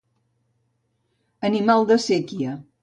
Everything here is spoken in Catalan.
Animal de séquia.